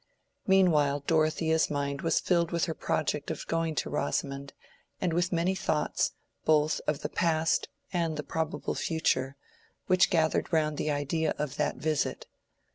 Meanwhile Dorothea's mind was filled with her project of going to Rosamond, and with the many thoughts, both of the past and the probable future, which gathered round the idea of that visit.